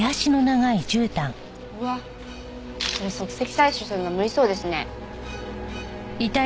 うわっこれ足跡採取するの無理そうですね。